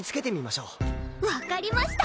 わかりました！